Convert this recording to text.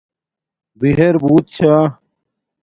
بِہر بُوت چھݳ